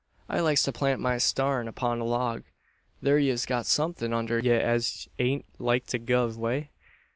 I likes to plant my starn upon a log: thur ye've got somethin' under ye as ain't like to guv way."